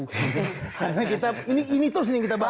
karena kita ini terus ini ini terus ini